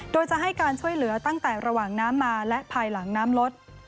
โดยจะให้การช่วยเหลือตั้งแต่ระหว่างน้ำมาและภายหลังน้ำลด